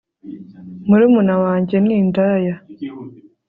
murumuna wanjye ni indaya